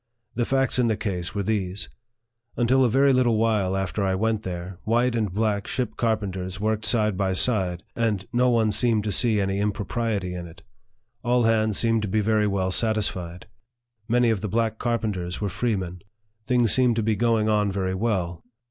The facts in the case were these : Until a very little while after I went there, white and black ship carpenters worked side by side, and no one seemed to see any impropriety in it. All hands seemed to be very well satisfied. Many of the black carpenters were freemen. Things seemed to be going on very well.